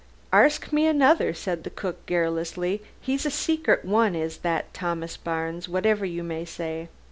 "Arsk me another," said the cook querulously, "he's a secret one is Thomas Barnes, whatever you may say.